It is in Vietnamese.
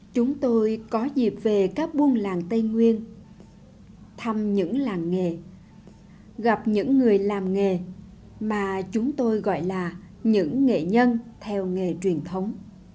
chúng tôi có dịp về các buôn làng tây nguyên thăm những làng nghề gặp những người làm nghề mà chúng tôi gọi là những nghệ nhân theo nghề truyền thống